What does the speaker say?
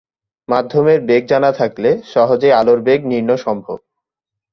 মাধ্যমের বেগ জানা থাকলে সহজেই আলোর বেগ নির্নয় সম্ভব।